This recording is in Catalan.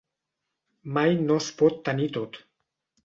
Mai no es pot tenir tot.